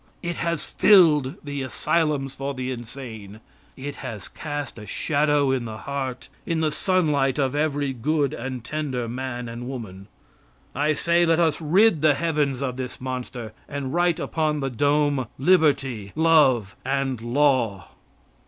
It has filled the asylums for the insane. It has cast a shadow in the heart, in the sunlight of every good and tender man and woman. I say let us rid the heavens of this monster, and write upon the dome "Liberty, love and law."